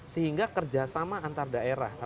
sehingga kerjasama antar daerahnya